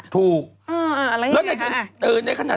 คุณหมอโดนกระช่าคุณหมอโดนกระช่า